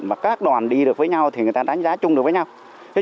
mà các đoàn đi được với nhau thì người ta đánh giá chung được với nhau